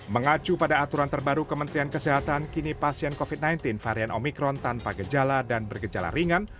mengacu pada aturan terbaru kementerian kesehatan kini pasien covid sembilan belas varian omikron tanpa gejala dan bergejala ringan